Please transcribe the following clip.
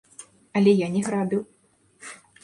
Але я не грабіў.